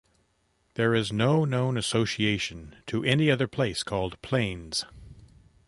There is no known association to any other place called Plains.